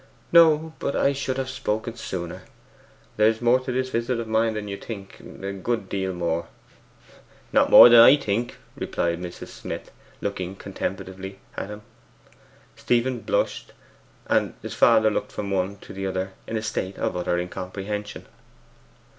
'No; but I should have spoken sooner. There's more in this visit of mine than you think a good deal more.' 'Not more than I think,' Mrs. Smith replied, looking contemplatively at him. Stephen blushed; and his father looked from one to the other in a state of utter incomprehension.